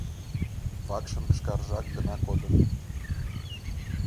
Вакшын кышкаржак гына кодын.